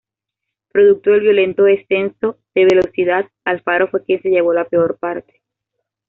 Producto del violento descenso de velocidad, Alfaro fue quien se llevó la peor parte.